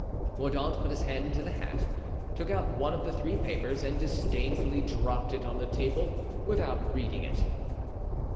Mordaunt put his hand into the hat, took out one of the three papers and disdainfully dropped it on the table without reading it.